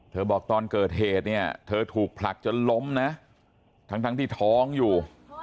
บอกตอนเกิดเหตุเนี่ยเธอถูกผลักจนล้มนะทั้งที่ท้องอยู่